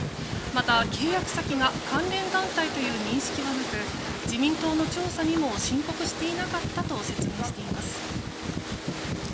また、契約先が関連団体という認識はなく自民党の調査にも申告していなかったと説明しています。